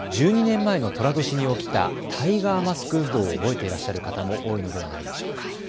１２年前のとら年に起きたタイガーマスク運動を覚えていらっしゃる方も多いのではないでしょうか。